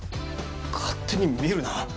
勝手に見るな。